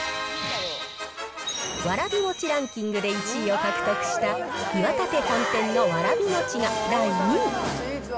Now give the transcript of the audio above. わらび餅ランキングで１位を獲得した、岩立本店のわらび餅が第２位。